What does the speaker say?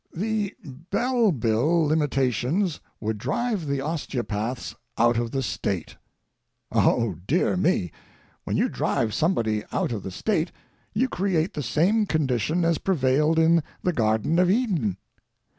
The Bell bill limitations would drive the osteopaths out of the State. Oh, dear me! when you drive somebody out of the State you create the same condition as prevailed in the Garden of Eden.